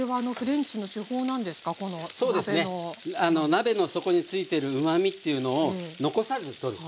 鍋の底に付いてるうまみっていうのを残さず取る。